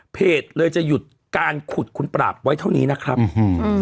เพจเลยจะหยุดการขุดคุณปราบไว้เท่านี้นะครับอืม